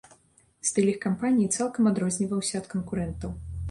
Стыль іх кампаніі цалкам адрозніваўся ад канкурэнтаў.